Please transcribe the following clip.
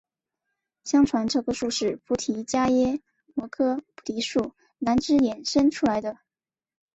相传这棵树是菩提伽耶摩诃菩提树南枝衍生出来的。